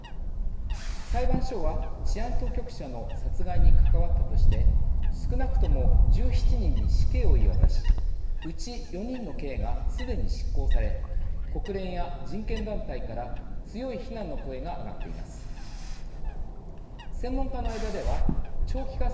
裁判所は治安当局者の殺害に関わったとして少なくとも１７人に死刑を言い渡しうち４人の刑がすでに執行され国連や人権団体から強い非難の声が上がっています。